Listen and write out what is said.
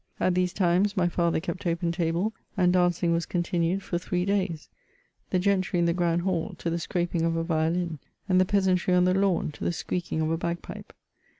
At these times, my father kept open table, and dancing was continued for three days ; the gentry in the Grand Hall, to the scraping of a riolin, and the peasantry on the lawn, to the squeaking of a bagpipe.